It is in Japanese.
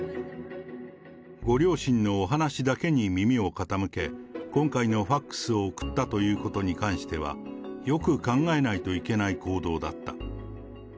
ご両親のお話だけに耳を傾け、今回のファックスを送ったということに関しては、よく考えないといけない行動だった。